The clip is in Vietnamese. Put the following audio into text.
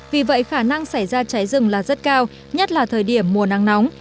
vì vậy khả năng xảy ra cháy rừng là rất cao nhất là thời điểm mùa nắng nóng